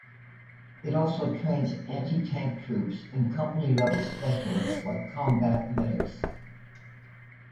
It also trains anti-tank troops and company-level specialists, like combat medics.